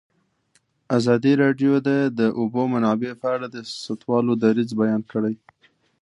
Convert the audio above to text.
ازادي راډیو د د اوبو منابع په اړه د سیاستوالو دریځ بیان کړی.